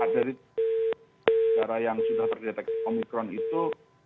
dari negara yang sudah terdeteksi omikron itu